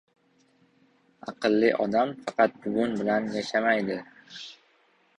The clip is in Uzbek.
Aqlli odam faqat buguni bilan yashamaydi...